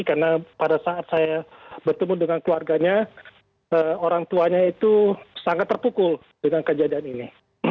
karena pada saat saya bertemu dengan keluarganya orang tuanya itu sangat terpukul dengan kejadian ini